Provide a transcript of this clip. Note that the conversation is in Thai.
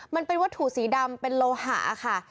มันเป็นวัตถุสีดำเป็นโลหะค่ะ